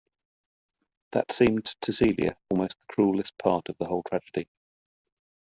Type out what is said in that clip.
That seemed to Celia almost the cruellest part of the whole tragedy.